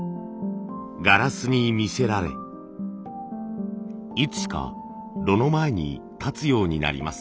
ガラスに魅せられいつしか炉の前に立つようになります。